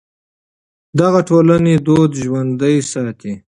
دغه ټولنې دود ژوندی ساتي.